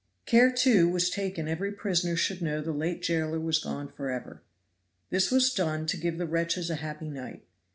Care, too, was taken every prisoner should know the late jailer was gone forever. This was done to give the wretches a happy night.